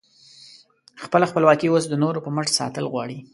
خپله خپلواکي اوس د نورو په مټ ساتل غواړې؟